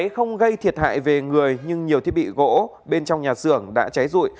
không gây thiệt hại về người nhưng nhiều thiết bị gỗ bên trong nhà xưởng đã cháy rụi